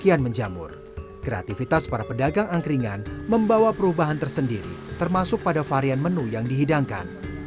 kian menjamur kreativitas para pedagang angkringan membawa perubahan tersendiri termasuk pada varian menu yang dihidangkan